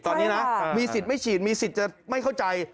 ตอนนี้นะมีสิทธิ์ไม่ฉีดมีสิทธิ์จะไม่เข้าใจ